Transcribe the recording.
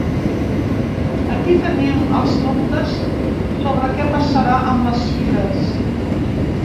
Aquí tenim els dubtes sobre què passarà amb les fires.